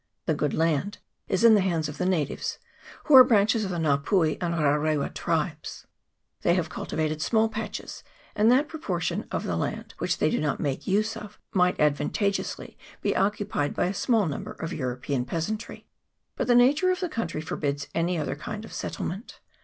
The good land is in the hands of the natives, who are branches of the Nga pui and Rarewa tribes. They have cultivated small patches, and that portion of the land which they do not make use of might advantageously be occupied by a small number of European peasantry. But the nature of the country forbids any other kind of settlement.